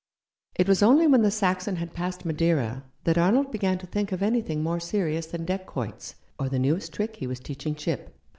It was only when the Saxon had passed Madeira that Arnold began to think of anything more serious than deck quoits, or the newest trick he was teaching Chip.